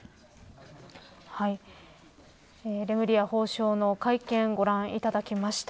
レムリヤ法相の会見ご覧いただきました。